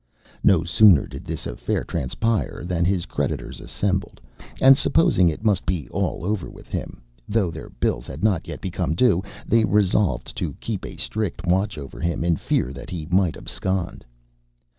No sooner did this affair transpire than his creditors assembled, and supposing it must be all over with him, though their bills had not yet become due, they resolved to keep a strict watch over him in fear that he might abscond.